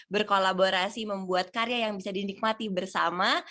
berkolaborasi membuat karya yang bisa dinikmati bersama